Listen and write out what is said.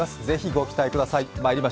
ぜひご期待ください。